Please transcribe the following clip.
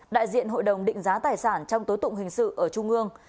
đại diện hội đồng định giá tài sản trong tối tụng hình sự ở trung ương